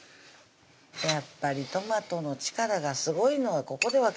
やっぱりトマトの力がすごいのはここで分かるんですよ